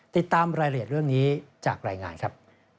ติดตามรายละเอียดเรื่องนี้จากรายงานครับ